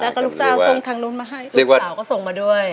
แล้วก็ลูกจ้างส่งทางนู้นมาให้ลูกสาวก็ส่งมาด้วย